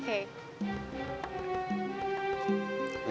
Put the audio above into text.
kamu naksir ya sama kei